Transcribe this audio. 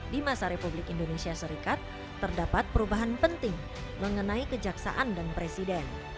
di masa republik indonesia serikat terdapat perubahan penting mengenai kejaksaan dan presiden